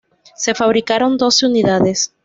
Se fabricaron doce unidades.